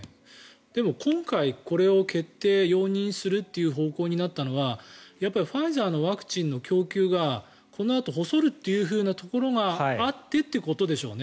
でも今回これを決定・容認する方向になったのはやっぱりファイザーのワクチンの供給がこのあと細るということがあってでしょうね。